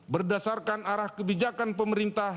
berdasarkan arah kebijakan pemerintah